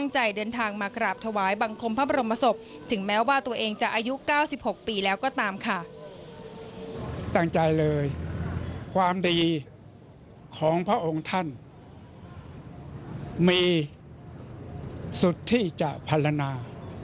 ใจเลยความดีของพระองค์ท่านมีสุทธิ์ที่จะพรรณา